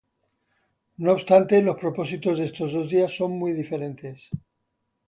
No obstante, los propósitos de estos dos días son muy diferentes.